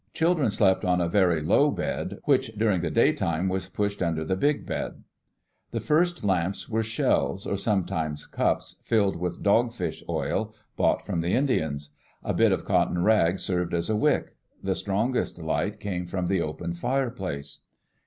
Children slept on a very low bed, which during the daytime was pushed under the big bed. The first lamps were shells, or sometimes cups, filled with dog fish oil, bought from the Indians. A bit of cotton rag served as a wick. The strongest light came from the open fireplace.